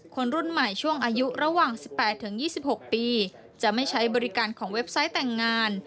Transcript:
คนรุ่นใหม่ช่วงอายุระหว่าง๑๘๒๖ปีจะไม่ใช้บริการของเว็บไซต์แต่งงาน